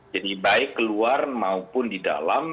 jadi baik luar maupun di dalam